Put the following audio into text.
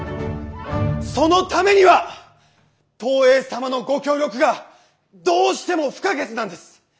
そのためには東映様のご協力がどうしても不可欠なんです！